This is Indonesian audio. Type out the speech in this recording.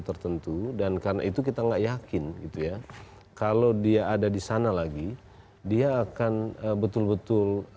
tertentu dan karena itu kita nggak yakin gitu ya kalau dia ada di sana lagi dia akan betul betul